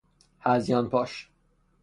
هذیان پاش